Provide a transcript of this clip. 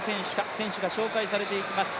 選手が紹介されていきます。